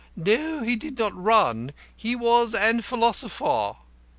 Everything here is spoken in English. No, he did not run; he was a philosopher.